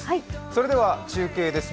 それでは中継です。